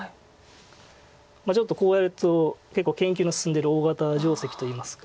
ちょっとこうやると結構研究の進んでる大型定石といいますか。